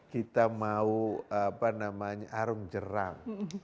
kita mau apa namanya arung jerang